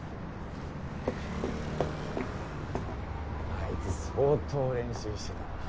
あいつ相当練習してたもんな。